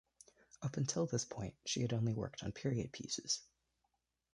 Up until this point, she had only worked on period pieces.